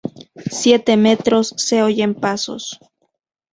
siete metros. se oyen pasos.